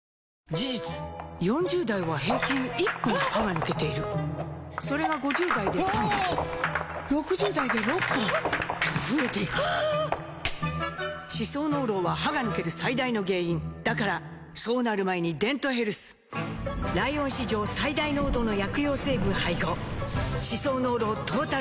事実４０代は平均１本歯が抜けているそれが５０代で３本６０代で６本と増えていく歯槽膿漏は歯が抜ける最大の原因だからそうなる前に「デントヘルス」ライオン史上最大濃度の薬用成分配合歯槽膿漏トータルケア！